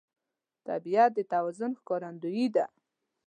طبیعت د توازن ښکارندوی دی.